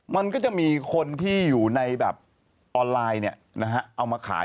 มันก็จะมีคนที่อยู่ในแบบออนไลน์เอามาขาย